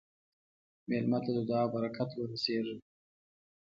مېلمه ته د دعا برکت ورسېږه.